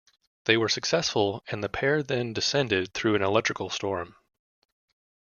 They were successful and the pair then descended through an electrical storm.